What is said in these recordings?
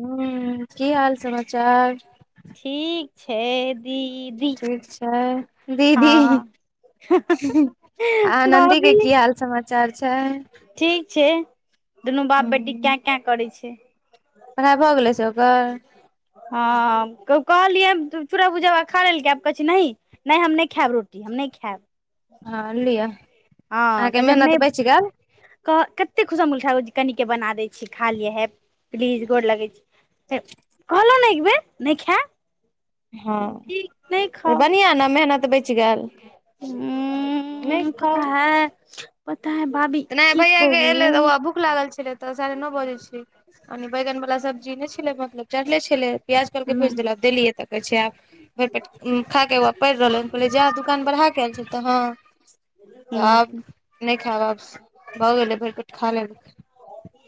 हूं की हाल समाचार? ठीक छै दी। ठीक छै दीदी। आनन्दी के भाभी की हाल समाचार छै? ठीक छै, दुनू बाप-बेटी कै कै करय छै। पढ़ाई भऽ गेलै से ओकर? हां क कहलियै त चूरा-भूजा वैह खा लेलकै आब कहै छै नही नै हम नै खैब रोटी हम नै खैब। हां लिअ अहाँके मेहनत बच गेल। कह कत्ते [unintelligible] कनी के बना दै छी खा लिअ हे प्लीज, गोड़ लगे छी। हें कहलौ नै एक बेर नै खैब ठीक नै खाउ। तै नै मेहनत बैच नहि हां खाउ पता हे पता हय भाभी तऽ नहि की भैया के एलै तऽ कहू ओ भूख लागल छलै तऽ साढ़े नअ बजय छै। कनि बैगन बला सब्जी नै छलै मतलब चढ़ले छलै प्याज कहलके भूज हूँ दय ल देलियै त कहै छै आब भर पेट उम्म खाअ के वैह पैड़ रहलै हम कहलिए जा दुकान बढ़ा के ऐल छीयै तऽ हां। हुं। नै खैब वापस से भऽ गेलय भैर पेट खा लेनय छीयै।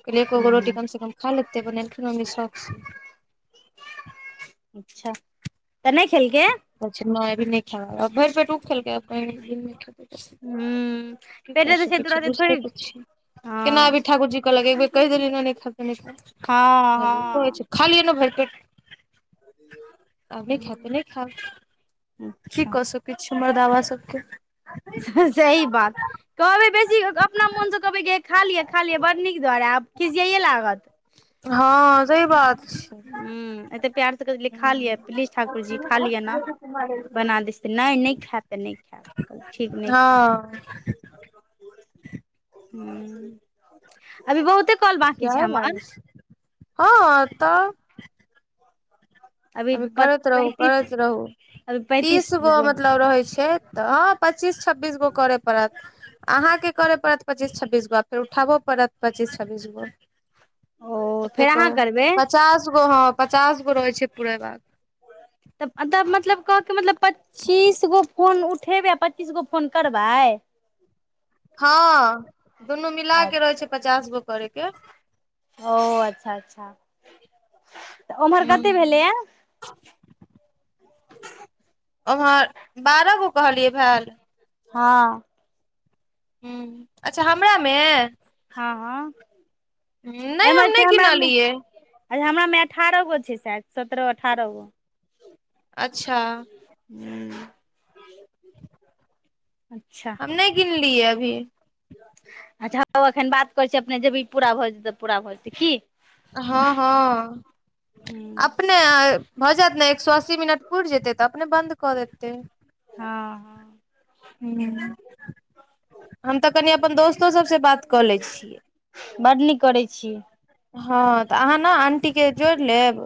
कहलिए एकोगो रोटी हँ कम से कम खा लेते बनेेलखिन्ह मम्मी शौख से। अच्छा। तऽ नै खेलकै। कहय छै नै अभी नै खाएब आ भैर पेट उ खेलके आब कहय छै नै खेबय। हुं पहिले जैसे छी दुलारे बुझते थोड़ी तऽ छी केना अभी हँ ठाकुर जी कहलक एक बेर कैह देलीयौ नै खाएब तै नै खैब हँ भायो कहय हँ छै। ख लिअ नै भैर पेट आब नै खाएब तै नै खैब की अच्छा कऽ सकय छीयै मरदावा सबके। सही बात कहबै बेसी अपना मोन से कहबै की खा लिअ खा लिअ बड़ नीक दुआरे आब खिसयाइए लागत हां सही बात छै। हुं एते प्यार से कह देलिए खा लिअ प्लीज ठाक कुर जी खा लिअ नै बना दै छी त नै-नै खैब तऽ नै खैब हां। [unintelligible] हुं आभी बहुते कॉल बाकी छै चिचयाये हमर लागय छै, हँ तऽ। ह अभी करैत रहू करैत पैंतीस रहू अभी तीस पैंतीस गो मतलब रहै छै। तऽ हँ पच्चीस छब्बीस गो करेय पड़त। अहाँके करय पड़त पच्चीस छब्बीस गो आ फेर उठाबहो पड़त पच्चीस छब्बीस गो। ओ फेर एतेक कर अहाँ करबै पचास गो हँ पचास गो रहै छै पूरेबाक। त तब मतलब कहके मतलब पचि चीस गो फोन उठेबै आ पच्चीस गो फोन करबै। हँ दुनू मिला के रहे छै पचास गो करैय के। ओ अच्छा अच्छा तऽ ओम्हर हूँ कते भेलैया? ओम्हर बारह गो कहलियै भैल। हँ। हुं, अच्छा हमरामे? हँ हँ। नहि एमहर हम छै नहि हमरामे गीनलियै। अच्छा हमरामे अठारह गो छै शायद सत्रह अठारह गो। अच्छा। हु अच्छा। हम नहि गिनलियै अभी। अच्छा होऊ अखन बात करै छियै अपने जबी पूरा भऽ जेतै पूरा भऽ जेतै की। हँ हँ अप हँ अपने भऽ जायत ने एक सौ अस्सी मिनट पूरि जेतै तऽ अपने बंन्द कऽ देतैय। हँ। हूं। हम तऽ कनि अपन दोस्तो सबसँ बात कऽ लय छियै। बड्ड नीक करैत छी। हँ तऽ अहाँ ने आंटीके जोड़ि लेब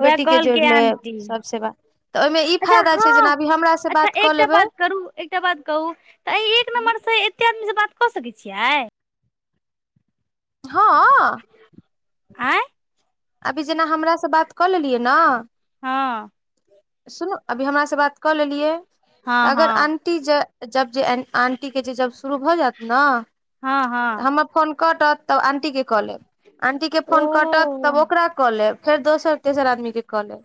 उएह बेटीके जोड़ि कहलकै लेब आंटी सभसे बा तऽ ओहि मे ई अच्छा फायदा हँ छै जेना अभी हमरासँ अच्छा बात कऽ एकटा लेबै बात करू एकटा बात कहू तऽ एहि एक नम्बर से एते आदमी से बात कऽ सकैत छियै। हँऽ। आँय। अभी जेना हमरास बात कऽ लेलियै न हँ। सुनू अभी हमरासँ बात कऽ लेलियै। तऽ हँ अगर हँ आंटी जे जब जे आंटी के जे जब शुरू भऽ जैत ना। हँ हँ। फोन कटत तब आंटी के कऽ लेब आंटी के फोन कटत तब ओ ओकरा कऽ लेब फेर दोसर तेसर आदमी के कऽ लेब।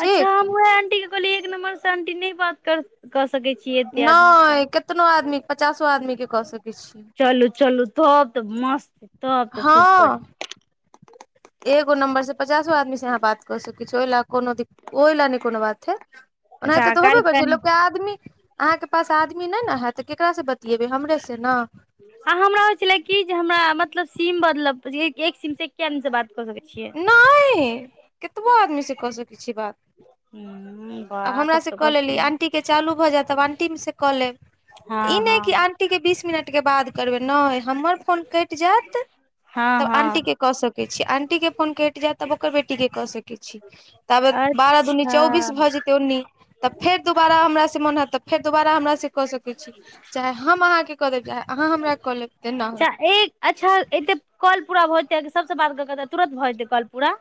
अच्छा हम उहा आंटी के कहलियै एक नम्बर से आंटी नहि बात कऽ सकैत छियै। एते आदमी से नहि कितनो आदमी पचासो आदमी के कऽ सकैत छीयै। चलू चलू तब तऽ मस्त तब तऽ सुपर। हँ एगो नम्बर से पचासो आदमी से अहाँ बात कऽ सकैत छी ओहि लए कोनो दिक् ओहि लए नहि कोनो बात हय। ओनाहि अच्छा तऽ तऽ होबे काल्हि कर छै कनि लोक के आदमी अहाँके पास आदमी नहि ने हय तऽ केकरास से बतियेबै हमरे से ना। आ हमरा होइ छलै की जे हमरा मतलब सीम बदलऽ एक सीम से एके आदम से बात कऽ सकैत छियै। नै कतबो आदमी से कऽ सकै छियै बात। हू [inaudible] आब हमरा से कऽ लेली आंटी के चालू भऽ जायत तब आंटी से कऽ लेब। हँ हँ। टी बीस मिनट के बाद करबै नहि हमर फोन कट जात हँ तब आंटी हँ के कऽ सकै छी, आन फोन कटि जाय तब ओकर बेटी के कऽ सकैत छी। तब बारह दुनी चौबीस अच्छा भऽ जेतै ओनी तऽ फेर दोबारा हमरा से मांगत तऽ फेर दोबारा हमरा से कऽ सकैत छी चाहे हम अहाँके कऽ देब चाहे अहाँ हमरा कऽ लेब, तेना अच्छा एक अच्छा एते कॉल पूरा भऽ जेतै सबसे बात क करे तुरत भऽ जेतै कॉल पूरा।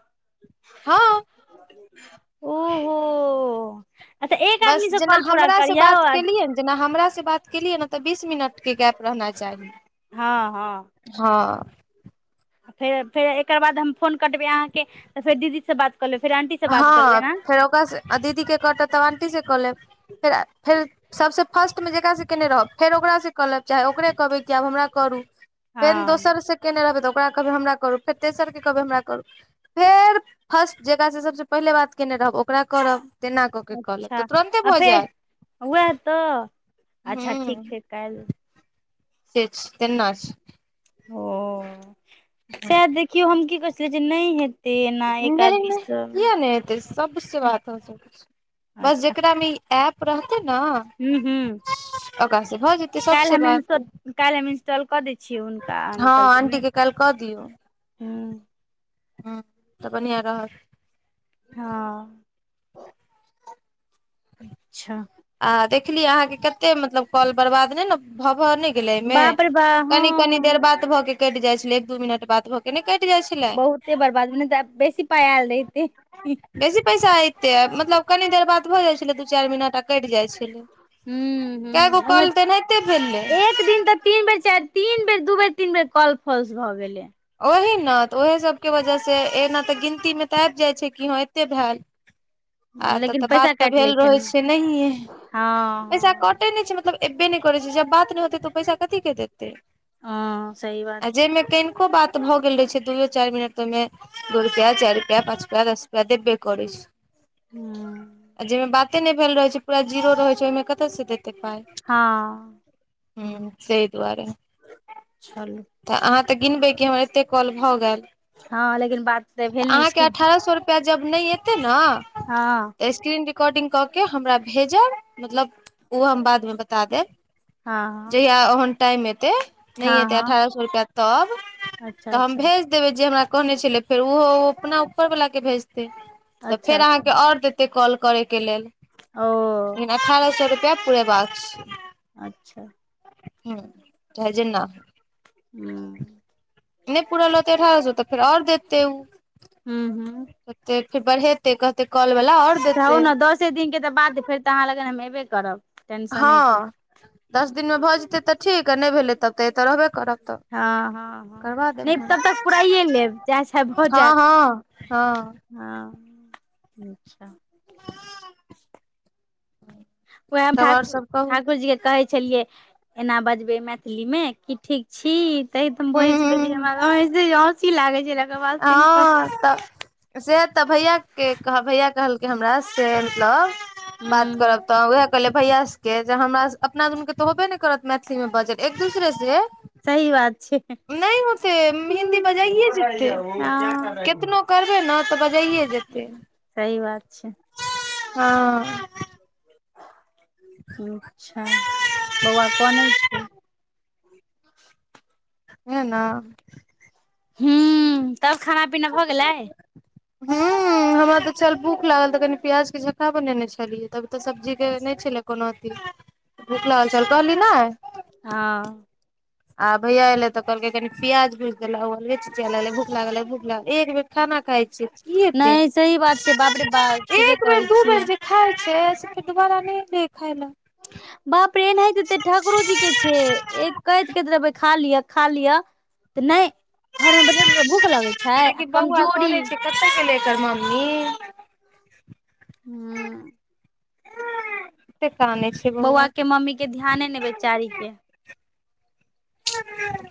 हँ ओहो। अच्छा एक बस आदमी सँ जेना कॉल पूरा हमरा से करियौ बात आ केलियै ने जेना हमरा से बात केलियै ने तऽ बीस मिनट के गैप रहना चाही, हँ हँ हँ। फेर फेर एकर बाद हम फोन कटबै अहाँके त फेर दीदी से बात कल फेर आंटी से बात कऽ हँ लेबै ने फेर ओकास से दीदी के कटत तऽ आंटी से कऽ लेब। फेर फेर सबसे फर्स्ट मे जेकररा से केने रहब फेर ओकरा से क लेब चाहे ओकरे कहबै कि आब हमरा करू, फेर हँ दोसर से केने रहबै तऽ ओकरा कहबै, हमरा करु फेर तेसर के कहबै, हमरा करु फेर फस्ट जे सब सँ पहिले बात केने रहब ओकरा करब। तेना कऽ के कऽ लेब तऽ अच्छा तुरन्ते आ भऽ फेर जायत वैह तऽ, अच्छा ठीक छै काल्हि फिक्स तेना छै। ओ, सैह देखियौ हम की कहै छलियै जे नहि हेतै एना एक नहि आदमी नहि सँ किया नहि हेते सब से बात भ सकै छै, बस जेकरा मे ई ऐप रहतै ना हू हूँ। ओकरा से भ जेतै। सबसे काल्हि हम, बात काल्हि हम इंस्टॉल कऽ दै छियै हुनका हँ अंकल जी आंटी मे के काल्हि कऽ दियौ हुं। ह तऽ बढ़िआ रहत। हां। अच्छा। आ देखलियै अहांके कतेक मतलब कॉल बर्बाद भेल न। भऽ भऽ नै गेलै एहिमे, बाप रे बा कनि कनी देर हँ बात भऽ के कटि जाइ छलै, एक दु मिनट बात भऽकऽ। कनि कैट जाय छलै। बहुते बर्बाद भेलैय नै तऽ बेसी पाय एल रहितै। बेसी पैसा ऐतैय मतलब कनि देर बात भऽ जाइ छलै दु चारि मिनट आ कटि जाय छलै। हूँ कैए गो हूँ ओहिमे काॅल एनाते भेलै। एक दिन तऽ तीन बेर चारि तीन बेर दु बेर तीन बेर कॉल फॉल्स भऽ गेलै। ओही ने तऽ ओहि सबके वजह से एना तऽ गिनतीमे तऽ आबि जाइत छैय कि हं एतेक भैल। [inaudible] आ तऽ तऽ बात पैसा तऽ काटि भेल लै रहै ने छै नहिेए, पैसा कट हँ कटे नै छै मतलब एबे नै करै छै, जब बात नै होतै तऽ पैसा कथी के देतै। हँ सही बात आ जाहिमे कनिको बात भऽ गेल रहै छै दुयो चारि मिनट ओहिमे दु रुपया, चाइर रुपया, पाँच रुपया, दस रुपया देबै करैय छैय। हँ आ जैयमे बाते नै भेल रहैय छैय पुरा जीरो रहै छैय ओयमे कतऽ से देतैय? ते पाय [inaudible] हूँ हुं, तैय दुआरे चलू तऽ अहां त गिनबय कि हमर एत्ते काॅल भऽ गेल। हँ लेकिन बात तऽ [inaudible] भेल नहि अहा के छै अठारह सौ रु- पैया जब नै एत्ते नऽ हं- स्क्रीन रिकॉडिग कऽ के हमरा भेजब, मतलब ओ हम बादमे बता देब। हँ जहिया ओहन टाइम एतैय, नै हँ हँ एत्तै हँ अठारह सौ रुपैया तब अच्छा तऽ हम अच्छा भेज देबैय जे हमरा कहने छलैय फेर ओहो ह-अपना ऊपर वला के भेजतैय। तऽ अच्छा फेर अच्छा अहांके और देतै कॉल करयके लेल। ओ- लेकिन अठारह सौ रुपैया पूरेबाक छैय। अच्छा। हुं चाहे जेना हुं- नै पुरल रहतैय अठारह सौ तऽ फेर और देते उ। हूँ हूँ ओते फेर बढ़ेतय कहतैय काॅल वला और जाउ ने दऽसे दिनके तऽ बाते फेर तऽ अहां लग हम एबे करब। टेंशन अइ की हं। दस दिन मे भऽ जेतै तऽ ठीक आ नै भेलै तब तऽ एतऽ रहबे करब तऽ हं- हं -हं करबा देब नै हम तब तक पुराइए लेब जैह सैह भऽ जैत। हं। हं, अच्छा। वैह हम तब आओर ठाकुर सब कहू ठाकुर जीके कहैय छलियै एना बजबैय मैथिलीमे की ठीक छी? तैं त हम बजै छलियै हूं जे हमा [unintelligible] हँसी लागैय छलैह ओक्क बात सुइन कऽ आब त- से तऽ भैया के कहब भैया कहलकै हमरा से, मतलब बात हूँ करब तऽ वैह कलियै भैया सबके जे हमरा स- अपना दुनुके तऽ होबे न करत मैथिलीमे बाजल एक दुसरे से- सही बात छै नै होते हिन्दी बजाइए जेते। हँ केतनो करबैय न तऽ बजइऐ जेतै। सही बात छै हां अच्छा बौआ कनैय छैय। वैहना हूं, तब खाना- पीना भऽ गेलै? हुॅं हमरा तऽ छल भूख लागल तऽ कनि प्याज के झखा बनेने छलियै, तब तऽ सब्जीक के नय छलै कोनो अथी बुख लाहल चल कहली नै? हँ- आ भैया एलय त कहलकय कनि प्याज भुज दैला हौआ ले चिचियैलगलय भुख लागलै- भुख लाग- एकबेर खाना खाय छियै त की हेतै? नहि सही बात छै बाप रे बाप ठीके एक बेर, कहै दु छियै बेरजे खाइ छै से फेर् दुबारा नय एलययै खाय लय। [unintelligible] बाप रे, एनाहिते त ठाकुरोजी के छे, ए-कहैत कहैत रहबय खा लिअ, खा लिअ तऽ नय, घर मे बैठल- बैठल भूख लगय छै आ कमजोरीऽ कत गेलै एकर मम्मी? [inaudible] [unintelligible] [unintelligible] कते कानै छै? बौआ के मम्मी के ध्याने नै बेचारी के।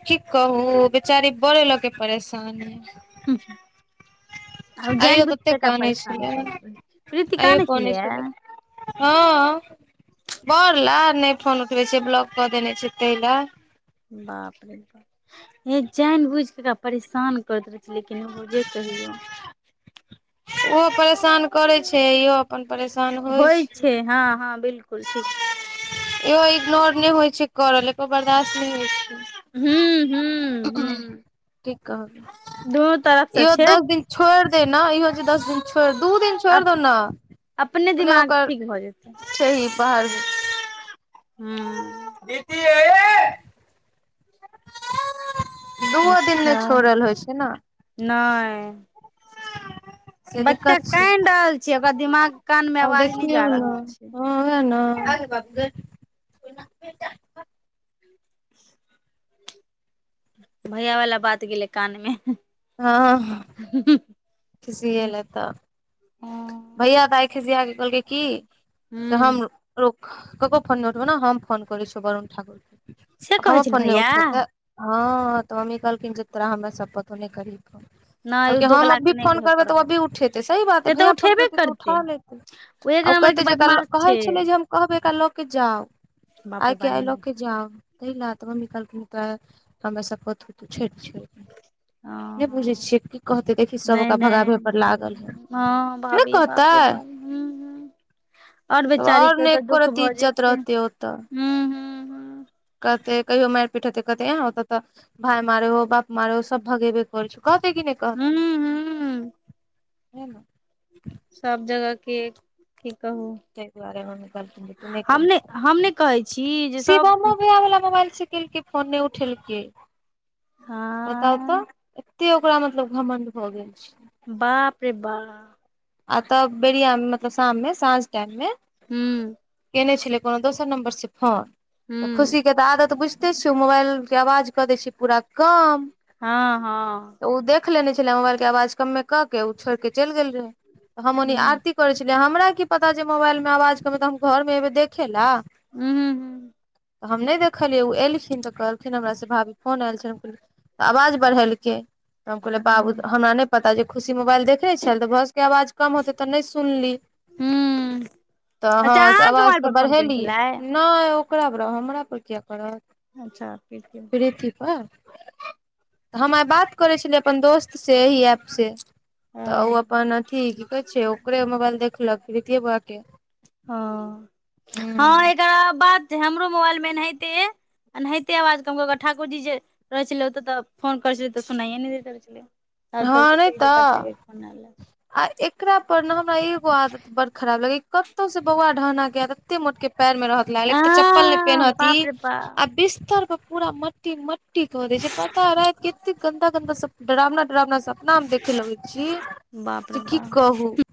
की कहु ओ बेचारी बरे ल के परेशान है। [unintelligible] [inaudible] आ उ जानि आइयो बुझिक तते एकरा कानै परेशानी छलै करैत रहै छै। प्रीतिका आइयो नै कानै छलैया? छलै हँ [inaudible] बर ला नै फोन उठबै छै ब्लॉक क देने छै तै ले। बाप रे बा हे जानि बुझ क एकरा परेशान करैत रहै छै लेकिन ओहो जे कहियौ। ओहो परेशान करै छै इहो अपन परेशान होइ छै। हँ-हँ बिलकुल ठीक। ओहो इग्नोर नै होइ छै कर ले एकरो बर्दाश्त नै होइ छै। हुं-हुं-हुं। की कहबै [inaudible] से इहो छै दस दिन छोरि दै न, इहो जे दस दिन छोरि दू दिन छोरि अप दौ न, [inaudible] अपने दिमाग ओकर ठीक भऽ जेतै [inaudible] ठेही बहार जे हुं। दीदी ए दूओ दिन नहि अच्छा छोड़ल होइ छै ने [inaudible] नै [unintelligible] बच्चा दिक्कत छै कानि रहल छै, ओकरा दिमाग कान में आवाज नै जा रहल छै। हं उहा ने [unintelligible] भैया बला बात गेलै कानमे। हँ। [unintelligible] खिसिएला त ह भैया त आइ खिसियाक कहलकै की [inaudible] से हम रुक ककरो फोन नै उठबै हौ न? हम फोन करै छियै वरुण ठाकुर के से [inaudible] कहै हमर छल फोन नै भैया उठेतै? हँ त मम्मी कहलखिन जे तोरा हमरे सप्पत हौ, नै करही। [inaudible] नहि ओ कहलकै हम दोकला अभी के नहि फोन कहै करबै त ओ पड़ल अभी उठेतै, सही बात। से तऽ तभैया फोन उठेबे करतै त उठा लेतै। ओ एक [inaudible] आ नम्बर के कहितै जे एकरा ल, बदमाश कहै छै छलै जे हम कहबै एकरा ल के जाउ। [inaudible] बाप रे आइके बा आइ नहि ल नहि के जाउ तहि ला त, मम्मी कहलखिन तोरा [inaudible] हमरे सप्पत हौ, तों छोरि द [inaudible] हं नै बुझै हं छियै, की कहतै देखही सब नहि ओकरा नहि भगाबहे पर लागल है। हँ नहि भाभी बाप रे कहतै बा हुं-हुं। [inaudible] आओर बेचारीे के ओ ने त एको दुःख रति भ इज्जत जेतै रहते हुं-हुं। कहतै, कहियो मारि पीट हेतै, कहतै एंह ओत त भाइ मारै हौ, बाप मारै हौ, सब भगेबे करै छै, कहतै कि नै? हूं कहतै हूं हूं [inaudible] है न [inaudible] सब जगह के [inaudible] की कहू? तै दुआरे मम्मी कहलखिन जे तू नै हम हम कही। नै कहै छी जे [inaudible] सब शिवमो भैया बला मोबाइल सं केलकै फोन नै उठेलकै? [unintelligible] बताउ त? एते ओकरा मतलब घमंड भ गेल छै? बाप रे बाऽ आ त बेरिया में मतलब शाममे साँझ टाइम मे हूँ केने छेलै कोनो दोसर नम्बर से फोन त हूं खुशी के तऽ आदत बुझते छि मोबाइल के आवाज कऽ दै छै पूरा कम, हँ, हँ। तऽ उ देख लेने छलै मोबाइल के आवाज कमे क के ओ छोड़िक चलि गेल रहैय। हम ओनी हूं आरती करे छलियै हमरा की पता जे मोबाइल आवाज करबै तऽ हम घरमे एबै देखे ला? उहूं तऽ हम नहि देखलियै ओ एलखिन तऽ कहलखिन हमरा से भाभी फोन आयल छल तऽ आवाज बढ़ेलकै त हम कहलै बाबू हूं हमरा नहि पता जे खुशी मोबाइल देखने छल तऽ के आवाज कम होते तऽ नहि सुनली हूं तऽ अच्छा हाँ से अहाँके आवाज मोबाइल तऽ पर फोन केने बढ़ेलीये, छलै नहि ओकरा पर हमरा पर किया करत। अच्छा प्रिति प्रिति पर हम आइ बात करै छलियै अपन दोस्त से एहि ऐप से तऽ ओ हँ अपन अथी की कहै छै ओकरे मोबाइल देखलक प्रितिये बौआ के ह हूँ हँ एकरा बात हमरो मोबाइल मे एनाहिते एनाहिते आवाज कमऽ क के ठाकुर जी जे रहै छलै ओ तऽ तऽ फोन कर छलै तऽ सुनाइये नहि दैत रहैै छलै। हँ नहि तऽ [unintelligible] आ एकरा पर ना हमरा एगो आदत बड़ खराब लगे या कतौ से बौआ ढहना के आएत एते मोट के पायर मे रहत लागल एक आ तऽ चप्पल नहि पेनहत ई बाप रे बा आ बिस्तर पर पूरा मट्टी मट्टी मट्टी को दै छै पता राइत के अते गन्दा गन्दा सब डरावना डरावना सप ना देखे लगै छी बाप जे रे की बा कहू।